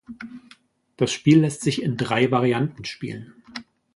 Das Spiel lässt sich in drei Varianten spielen.